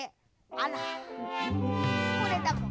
あらこれだもん。